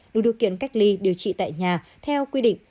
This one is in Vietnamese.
đủ điều kiện cách ly điều trị tại nhà theo quy định